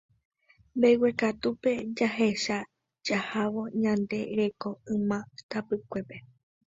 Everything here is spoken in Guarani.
mbeguekatúpe jaheja jahávo ñande reko yma tapykuépe